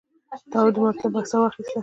تواب د مکتب بکسه واخیسته.